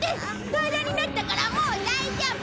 平らになったからもう大丈夫。